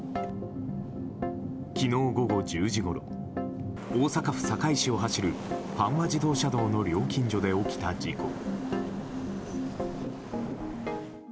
昨日午後１０時ごろ大阪府堺市を走る阪和自動車道の料金所で起きた事故。